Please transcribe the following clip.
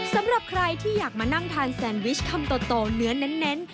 สำหรับใครที่อยากมานั่งทานแซนวิชคำโตเนื้อเน้น